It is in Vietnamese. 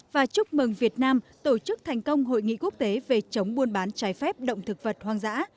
và chúc mừng việt nam tổ chức thành công hội nghị quốc tế về chống buôn bán trái phép động thực vật hoang dã